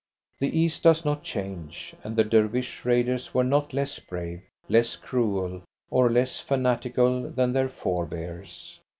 The East does not change, and the Dervish raiders were not less brave, less cruel, or less fanatical than their forebears.